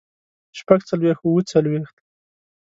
شپږ څلوېښت اووه څلوېښت